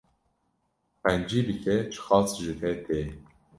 Qencî bike çi qas ji te tê